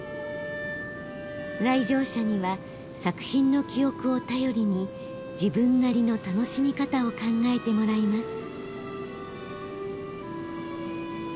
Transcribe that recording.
来場者には作品の記憶を頼りに自分なりの楽しみ方を考えてもらいます。